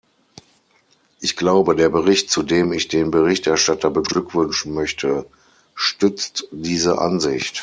Ich glaube, der Bericht, zu dem ich den Berichterstatter beglückwünschen möchte, stützt diese Ansicht.